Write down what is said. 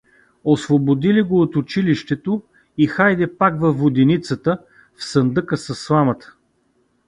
Освободили го от училището и хайде пак във воденицата, в сандъка със сламата!